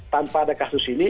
tanpa ada kasus ini